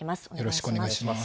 よろしくお願いします。